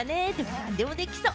何でもできそう。